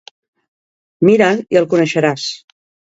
Mira'l i el coneixeràs.